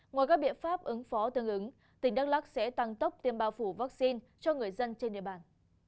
ngoài các biện pháp ứng phó tương ứng tỉnh đắk lắc sẽ tăng tốc tiêm bao phủ vaccine cho người dân trên địa bàn